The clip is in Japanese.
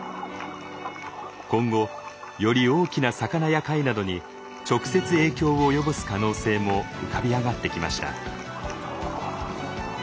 今後より大きな魚や貝などに直接影響を及ぼす可能性も浮かび上がってきました。